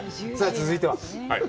続いては？